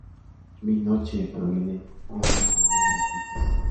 Binoche proviene de una familia de artistas.